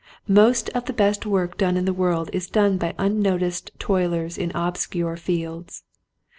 Most of the best work done in the world is done by unnoticed toilers in obscure fields.